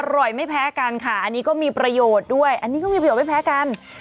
ไม่แพ้กันค่ะอันนี้ก็มีประโยชน์ด้วยอันนี้ก็มีประโยชนไม่แพ้กัน